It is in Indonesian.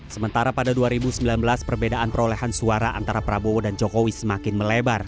sementara pada dua ribu sembilan belas perbedaan perolehan suara antara prabowo dan jokowi semakin melebar